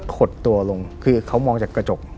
ดตัวลงคือเขามองจากกระจก